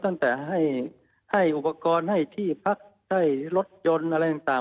ตั้งแต่ให้อุปกรณ์ให้ที่พักให้รถยนต์อะไรต่าง